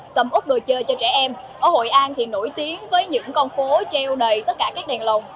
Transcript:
sầm úc đồ chơi cho trẻ em ở hội an thì nổi tiếng với những con phố treo đầy tất cả các đèn lồng